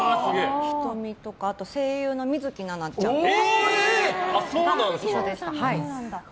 あと、声優の水樹奈々ちゃんとか。